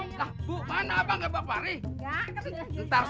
ntar sudah datang ke sini ya ini banyak sejahat